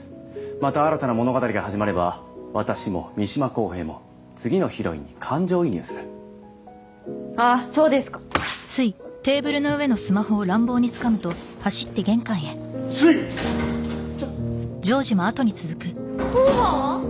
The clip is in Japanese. また新たな物語が始まれば私も三島公平も次のヒロインに感情移入するああーそうですかすいフォーバーは？